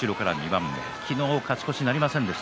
昨日、勝ち越しなりませんでした